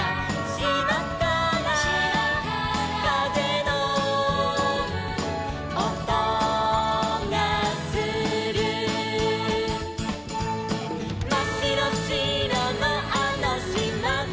「しまからかぜのおとがする」「まっしろしろのあのしまで」